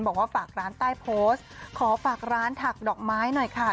บอกว่าฝากร้านใต้โพสต์ขอฝากร้านถักดอกไม้หน่อยค่ะ